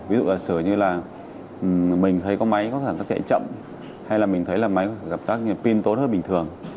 ví dụ là sửa như là mình thấy có máy có thể nó chạy chậm hay là mình thấy là máy gặp các pin tốn hơn bình thường